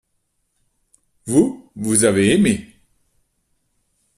Vous, vous avez aimé.